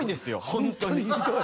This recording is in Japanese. ホントにひどい。